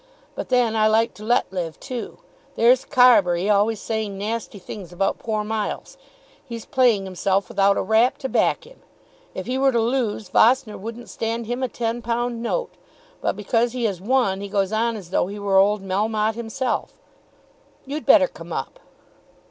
But then I like to let live too. There's Carbury always saying nasty things about poor Miles. He's playing himself without a rap to back him. If he were to lose, Vossner wouldn't stand him a £10 note. But because he has won, he goes on as though he were old Melmotte himself. You'd better come up."